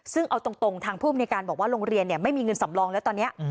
ซึ่งเอาตรงทางภูมิในการบอกว่าโรงเรียนไม่มีเงินสำรองแล้วตอนนี้